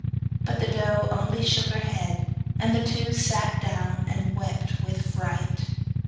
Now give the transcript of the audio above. But the doe only shook her head; and the two sat down and wept with fright.